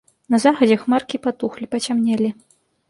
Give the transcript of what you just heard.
На захадзе хмаркі патухлі, пацямнелі.